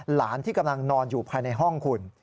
หลานที่กำลังนอนอยู่ภายในห้องคุณ